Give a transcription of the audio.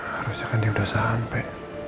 harusnya kan dia udah sampai